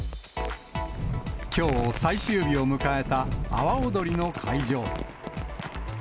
きょう、最終日を迎えた阿波おどりの会場。